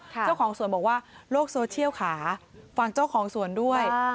เจ้าของสวนบอกว่าโลกโซเชียลค่ะฟังเจ้าของสวนด้วย